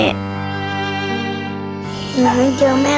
อยากให้เจอแม่